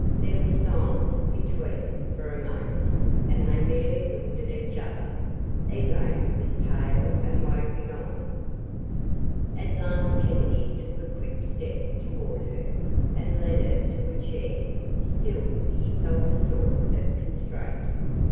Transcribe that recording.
There was silence between them for a moment and they merely looked at each other. Elaine was pale and woebegone. At last Kennedy took a quick step toward her and led her to a chair. Still he felt a sort of constraint.